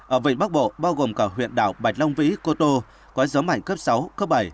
ở vịnh bắc bộ bao gồm cả huyện đảo bạch long vĩ cô tô có gió mạnh cấp sáu cấp bảy